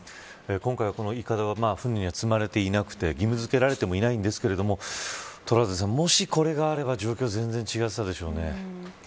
今回は、いかだは船には積まれていなくて義務付けられてもいないんですがトラウデンさん、もしこれがあれば状況は全然違っていたでしょうね。